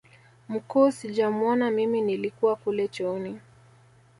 mkuu sijamuona mimi nilikuwa kule chooni